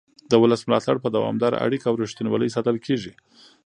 د ولس ملاتړ په دوامداره اړیکه او رښتینولۍ ساتل کېږي